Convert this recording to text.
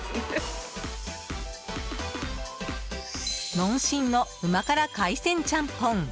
農心の旨辛海鮮ちゃんぽん